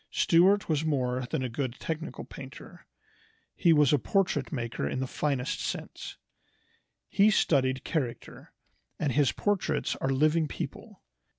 Stuart was more than a good technical painter. He was a portrait maker in the finest sense. He studied character, and his portraits are living people.